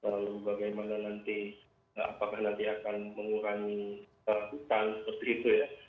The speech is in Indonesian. lalu bagaimana nanti apakah nanti akan mengurangi hutan seperti itu ya